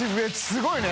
すごいね。